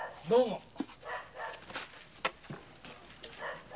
どうも。